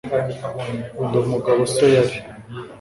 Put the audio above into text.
ndi umugabo so yari